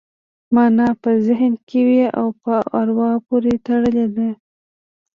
مانا په ذهن کې وي او په اروا پورې تړلې ده